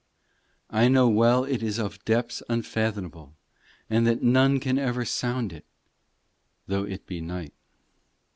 IV I know well it is of depths unfathomable, And that none can ever sound it, Though it be night.